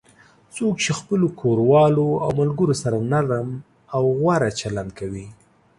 څوک چې خپلو کوروالو او ملگرو سره نرم او غوره چلند کوي